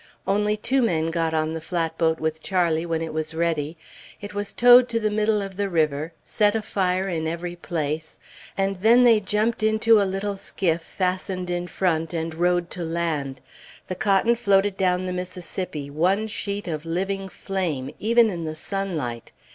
Only two men got on the flatboat with Charlie when it was ready. It was towed to the middle of the river, set afire in every place, and then they jumped into a little skiff fastened in front, and rowed to land. The cotton floated down the Mississippi one sheet of living flame, even in the sunlight.